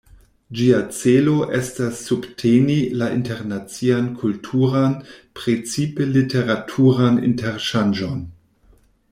Ĝia celo estas subteni la internacian kulturan, precipe literaturan interŝanĝon.